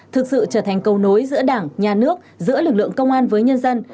thực sự trở thành cầu nối giữa đảng nhà nước giữa lực lượng công an với nhân dân